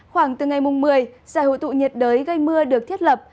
khoảng từ ngày mùng một mươi dài hội tụ nhiệt đới gây mưa được thiết lập